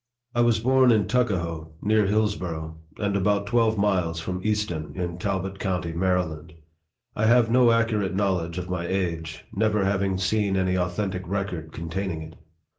I WAS born in Tuckahoe, near Hillsborough, and about twelve miles from Easton, in Talbot county, Maryland. I have no accurate knowledge of my age, never having seen any authentic record containing it.